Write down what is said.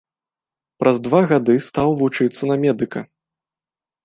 Праз два гады стаў вучыцца на медыка.